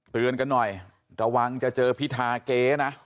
เตือนกันหน่อยระวังจะเจอพิธาเก๊นะ